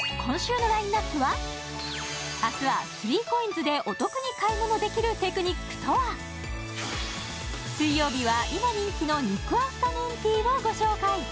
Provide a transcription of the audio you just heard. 明日は３ＣＯＩＮＳでお得に買い物できるテクニックとは水曜日は今人気の肉アフタヌーンティーをご紹介